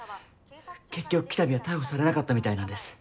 結局北見は逮捕されなかったみたいなんです。